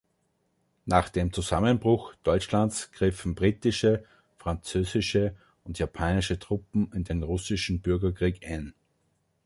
Nach dem Zusammenbruch Deutschlands griffen britische, französische und japanische Truppen in den russischen Bürgerkrieg ein.